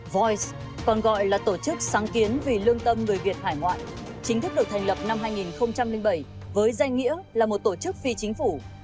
voi còn gọi là tổ chức sáng kiến vì lương tâm người việt hải ngoại chính thức được thành lập năm hai nghìn bảy với danh nghĩa là một tổ chức phi chính phủ